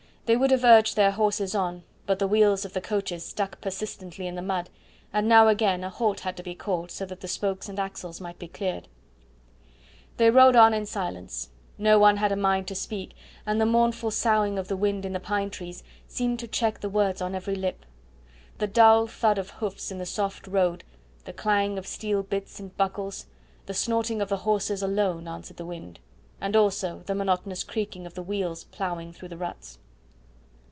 They would have urged their horses on, but the wheels of the coaches stuck persistently in the mud, and now and again a halt had to be called so that the spokes and axles might be cleared. They rode on in silence. No one had a mind to speak, and the mournful soughing of the wind in the pine trees seemed to check the words on every lip. The dull thud of hoofs in the soft road, the clang of steel bits and buckles, the snorting of the horses alone answered the wind, and also the monotonous creaking of the wheels ploughing through the ruts.